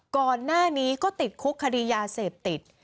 ก่อนหน้านี้ก็ติดคุกคดียาเสพติด